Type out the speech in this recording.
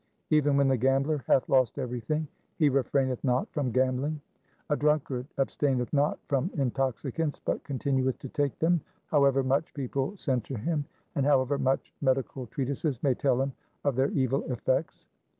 Even when the gambler hath lost everything, he refraineth not from gambling. A drunkard abstaineth not from intoxicants, but continueth to take them however much people censure him, and however much medical treatises may tell him of their evil effects.